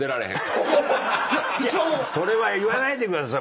それは言わないでください。